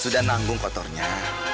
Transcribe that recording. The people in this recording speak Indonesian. sudah nanggung kotornya